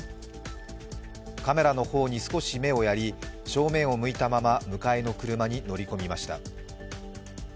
カメラの方に少し目をやり正面を向いたまま迎えの車に乗り込みました。